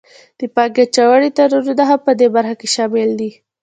د پانګې اچونې تړونونه هم پدې برخه کې شامل دي